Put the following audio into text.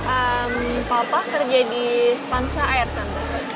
eee papa kerja di spansa air tante